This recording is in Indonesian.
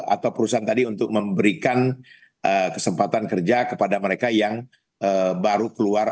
atau perusahaan tadi untuk memberikan kesempatan kerja kepada mereka yang baru keluar